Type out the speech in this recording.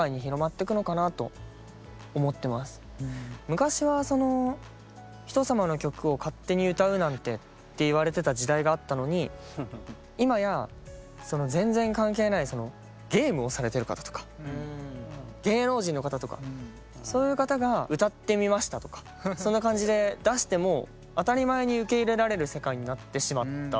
昔はその「人様の曲を勝手に歌うなんて」って言われてた時代があったのに今やその全然関係ないそのゲームをされてる方とか芸能人の方とかそういう方が「歌ってみました」とかそんな感じで出しても当たり前に受け入れられる世界になってしまった。